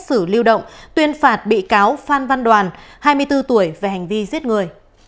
xử lưu động tuyên phạt bị cáo phan văn đoàn hai mươi bốn tuổi về hành vi giết người